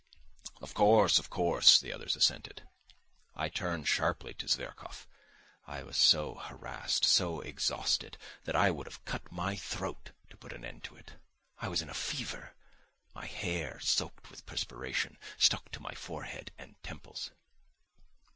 _" "Of course, of course," the others assented. I turned sharply to Zverkov. I was so harassed, so exhausted, that I would have cut my throat to put an end to it. I was in a fever; my hair, soaked with perspiration, stuck to my forehead and temples.